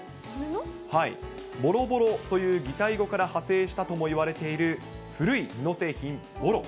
ボロボロという擬態語から派生したともいわれている古い布製品、ボロ。